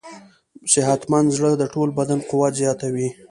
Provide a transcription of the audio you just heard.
صحتمند زړه د ټول بدن قوت زیاتوي.